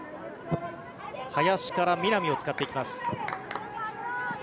林から南を使っていきます。